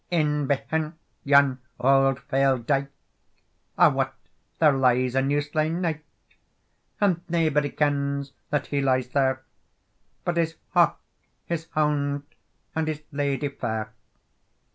"In behint yon auld fail dyke, I wot there lies a new slain knight; And naebody kens that he lies there But his hawk, his hound, and his lady fair.